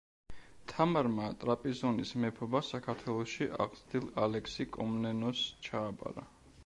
თამარმა ტრაპიზონის მეფობა საქართველოში აღზრდილ ალექსი კომნენოსს ჩააბარა.